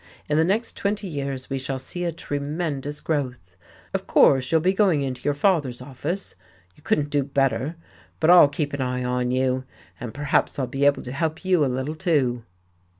In the next twenty years we shall see a tremendous growth. Of course you'll be going into your father's office. You couldn't do better. But I'll keep an eye on you, and perhaps I'll be able to help you a little, too."